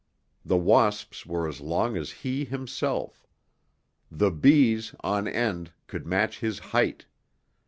The wasps were as long as he himself. The bees, on end, could match his height.